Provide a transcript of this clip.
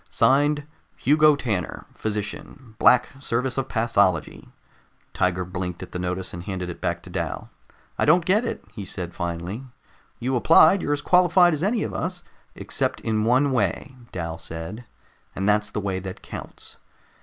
Signed, Hugo Tanner, Physician, Black Service of Pathology.'" Tiger blinked at the notice and handed it back to Dal. "I don't get it," he said finally. "You applied, you're as qualified as any of us " "Except in one way," Dal said, "and that's the way that counts.